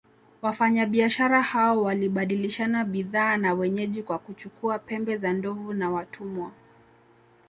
Wafanyabiashara hao walibadilishana bidhaa na wenyeji kwa kuchukua pembe za ndovu na watumwa